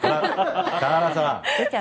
田原さん。